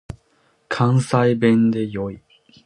関西弁って良い。